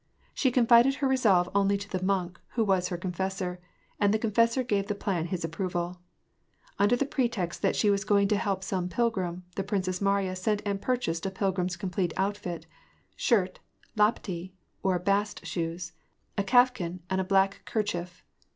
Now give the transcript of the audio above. She confided her resolve only to the monk, who was her confessor, and the confessor gave the plan his approval. Under the pretext that she was going to help some pilgrim, the Princess Mariya sent and purchased a pilgrim's complete outfit : shirt, lapti, or bast shoes, a kaftan, and a black kerchief.